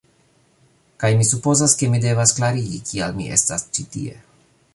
Kaj mi supozas, ke mi devas klarigi kial mi estas ĉi tie